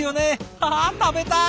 はあ食べたい！